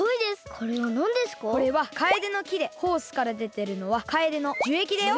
これはカエデの木でホースからでてるのはカエデの樹液だよ。